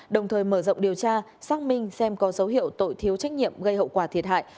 đồng thời mở rộng điều tra xác minh xem có dấu hiệu tội thiếu trách nhiệm gây hậu quả thiệt hại